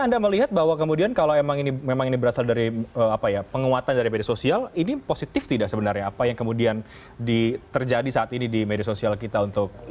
anda melihat bahwa kemudian kalau memang ini berasal dari penguatan dari media sosial ini positif tidak sebenarnya apa yang kemudian terjadi saat ini di media sosial kita untuk